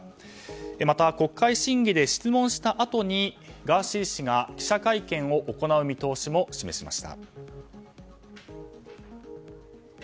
また、国会審議で質問したあとにガーシー氏が、記者会見を行う見通しも示しました。